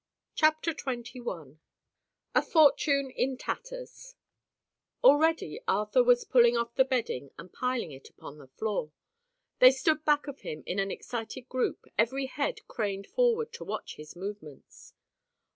CHAPTER XXI—A FORTUNE IN TATTERS Already Arthur was pulling off the bedding and piling it upon the floor. They stood back of him in an excited group, every head craned forward to watch his movements.